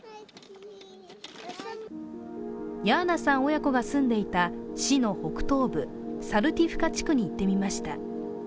親子が住んでいた市の北東部、サルティフカ地区に行ってみました。